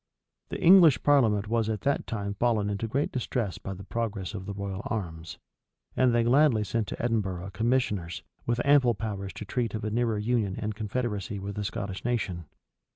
The English parliament was at that time fallen into great distress by the progress of the royal arms; and they gladly sent to Edinburgh commissioners, with ample powers to treat of a nearer union and confederacy with the Scottish nation.